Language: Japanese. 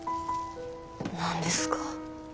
何ですか？